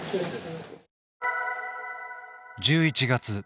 １１月。